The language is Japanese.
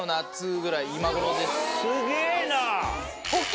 すげぇな！